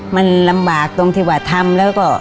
มันลำบากตรงที่ว่าทำแล้วก็